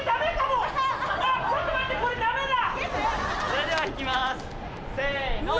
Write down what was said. それでは行きますせの。